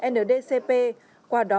ndcp qua đó